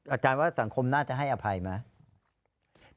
อาจารย์ว่าสังคมน่าจะให้อภัยไหม